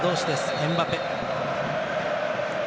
エムバペ。